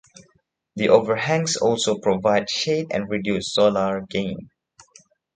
The overhangs also provide shade and reduce solar gain.